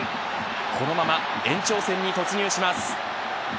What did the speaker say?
このまま延長戦に突入します。